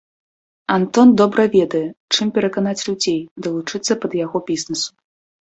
Антон добра ведае, чым пераканаць людзей далучыцца пад яго бізнесу.